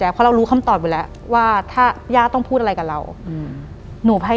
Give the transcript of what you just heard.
หลังจากนั้นเราไม่ได้คุยกันนะคะเดินเข้าบ้านอืม